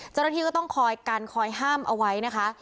เจ้าหน้าที่ก็ต้องคอยกันคอยห้ามเอาไว้นะคะ